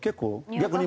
逆に。